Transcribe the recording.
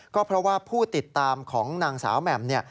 ก็เพราะว่าผู้ติดตามของนางสาวแหม่ม